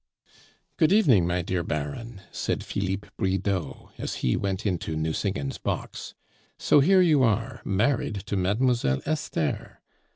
"Good evening, my dear Baron," said Philippe Bridau, as he went into Nucingen's box. "So here you are, married to Mademoiselle Esther.